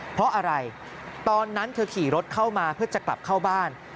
เพราะอะไรตอนนั้นเธอขี่รถเข้ามาเพื่อจะกลับเข้าบ้าน